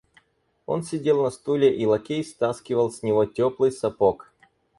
Он сидел на стуле, и лакей стаскивал с него теплый сапог.